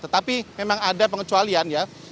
tetapi memang ada pengecualian ya